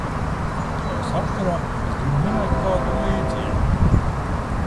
Šajā sakarā es gribu minēt kādu līdzību.